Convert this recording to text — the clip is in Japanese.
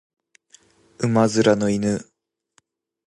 馬面の犬